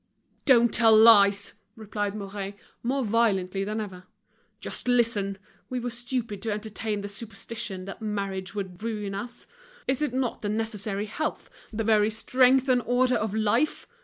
"Don't tell lies!" replied Mouret, more violently than ever, "Just listen, we were stupid to entertain the superstition that marriage would ruin us. Is it not the necessary health, the very strength and order of life?